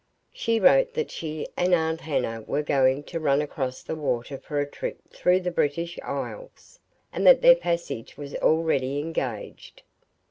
She wrote that she and Aunt Hannah were going to "run across the water for a little trip through the British Isles"; and that their passage was already engaged.